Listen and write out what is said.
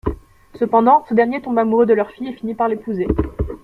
Cependant, ce dernier tombe amoureux de leur fille et finit par l'épouser.